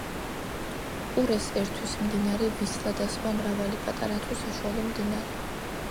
ყურეს ერთვის მდინარე ვისლა და სხვა მრავალი პატარა თუ საშუალო მდინარე.